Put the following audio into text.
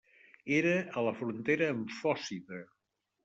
Era a la frontera amb Fòcida.